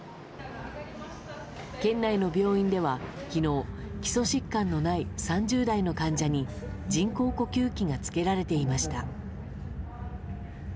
県内の病院では昨日、基礎疾患のない３０代の患者に人工呼吸器が着けられていました。